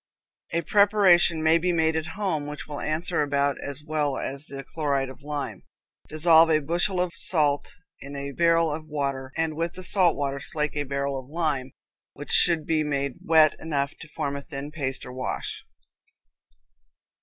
A preparation may be made at home which will answer about as well as the chloride of lime. Dissolve a bushel of salt in a barrel of water, and with the salt water slake a barrel of lime, which should be made wet enough to form a thin paste or wash.